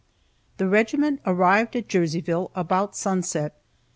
] The regiment arrived at Jerseyville about sunset.